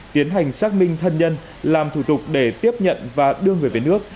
tiến hành xác minh thân nhân làm thủ tục để tiếp nhận và đưa người về nước